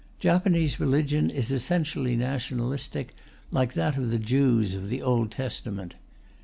Japanese religion is essentially nationalistic, like that of the Jews in the Old Testament.